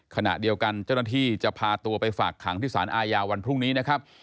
ขณะเดียวกันเจ้าหน้าที่จะพาตัวไปฝากขังที่สารอาญาวันพรุ่งนี้นะครับ